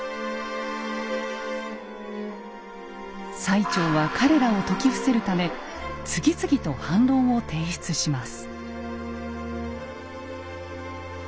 最澄は彼らを説き伏せるため次々と反論を提出します。